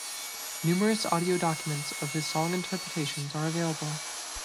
Numerous audio documents of his song interpretations are available.